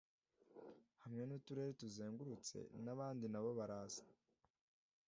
Hamwe nUturere tuzengurute, nabandinabo baraza